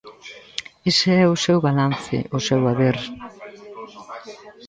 Ese é o seu balance, o seu haber.